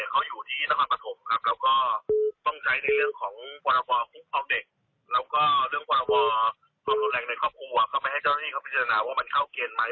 ก็ไม่ให้เจ้าหน้าที่เค้าพิษทนาว่ามันเข้าเกณฑ์ไหม